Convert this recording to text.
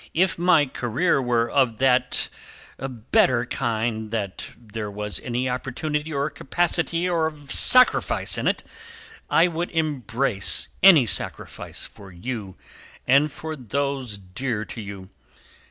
If my career were of that better kind that there was any opportunity or capacity of sacrifice in it, I would embrace any sacrifice for you and for those dear to you.